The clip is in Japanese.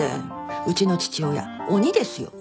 うちの父親鬼ですよ鬼。